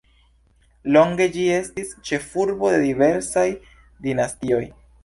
Longe ĝi estis ĉefurbo de diversaj dinastioj.